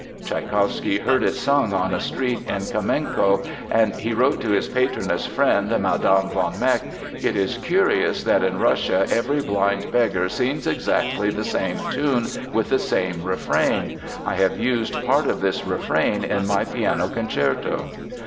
Tschaikowsky heard it sung on a street in Kamenko and he wrote to his patroness friend, Mme. von Meck: "It is curious that in Russia every blind beggar sings exactly the same tune with the same refrain. I have used part of this refrain in my piano concerto."